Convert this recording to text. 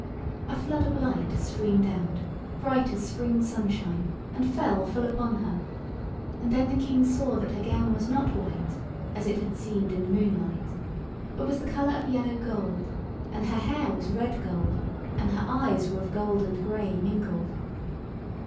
A flood of light streamed out, bright as spring sunshine, and fell full upon her, and then the King saw that her gown was not white, as it had seemed in the moonlight, but was the colour of yellow gold, and her hair was red gold, and her eyes were of gold and grey mingled.